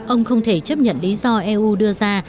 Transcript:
ông không thể chấp nhận lý do eu đưa ra